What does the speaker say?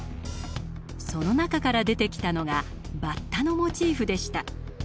その中から出てきたのがバッタのモチーフでした。